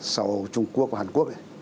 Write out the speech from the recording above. sau trung quốc và hàn quốc